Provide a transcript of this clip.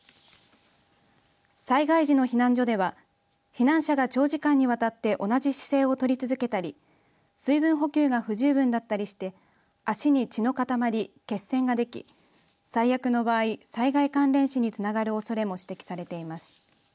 災害時の避難所では避難者が長時間にわたって同じ姿勢をとり続けたり水分補給が不十分だったりして足に血の塊、血栓ができ最悪の場合災害関連死につながるおそれも指摘されています。